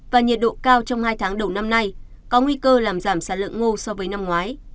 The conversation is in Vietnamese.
và nhiệt độ cao trong hai tháng đầu năm nay có nguy cơ làm giảm sản lượng ngô so với năm ngoái